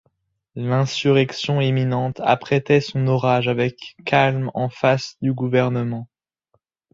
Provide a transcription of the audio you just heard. L’insurrection imminente apprêtait son orage avec calme en face du gouvernement.